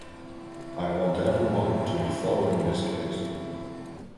I want everyone to be following this case.